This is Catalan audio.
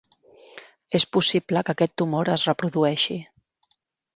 És possible que aquest tumor es reprodueixi.